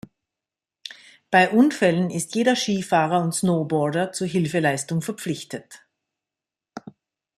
Bei Unfällen ist jeder Skifahrer und Snowboarder zur Hilfeleistung verpflichtet.